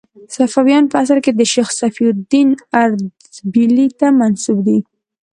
صفویان په اصل کې شیخ صفي الدین اردبیلي ته منسوب دي.